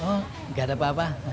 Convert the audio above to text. oh nggak ada apa apa